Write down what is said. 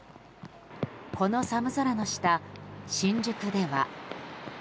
この寒空の下、新宿では。